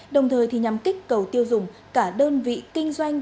đồng thời nhằm kích cầu tiêu dùng cả đơn vị kinh doanh